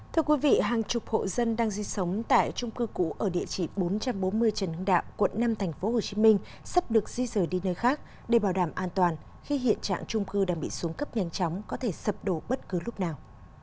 thưa quý vị hàng chục hộ dân đang di sống tại trung cư cũ ở địa chỉ bốn trăm bốn mươi trần hưng đạo quận năm tp hcm sắp được di rời đi nơi khác để bảo đảm an toàn khi hiện trạng trung cư đang bị xuống cấp nhanh chóng có thể sập đổ bất cứ lúc nào